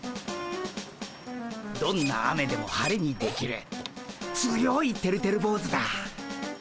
どんな雨でも晴れにできる強いてるてる坊主だ。